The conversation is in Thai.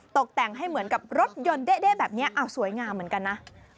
ตกแต่งให้เหมือนกับรถยนต์เด้แบบนี้สวยงามเหมือนกันนะ